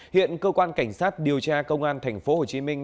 hiện cơ quan cảnh sát điều tra công an thành phố hồ chí minh